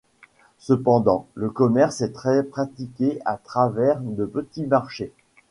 Cependant, le commerce est très pratiqué à travers de petits marchés.